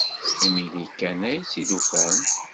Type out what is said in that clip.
Imir-a kan ay tt-id-ufan.